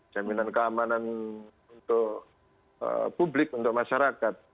jaminan keamanan untuk publik untuk masyarakat